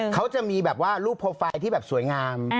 เขาจะมีรูปโปรไฟล์ที่สวยงาม